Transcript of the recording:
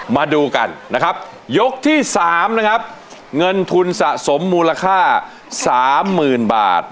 มาดูกันนะครับยกที่๓นะครับเงินทุนสะสมมูลค่า๓๐๐๐บาท